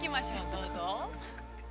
どうぞ。